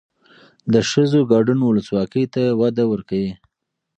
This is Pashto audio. د ښځو ګډون ولسواکۍ ته وده ورکوي.